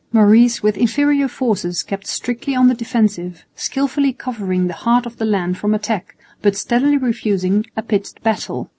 Maurice with inferior forces kept strictly on the defensive, skilfully covering the heart of the land from attack, but steadily refusing a pitched battle.